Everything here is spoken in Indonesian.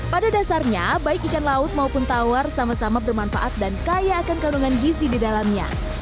pada dasarnya baik ikan laut maupun tawar sama sama bermanfaat dan kaya akan kandungan gizi di dalamnya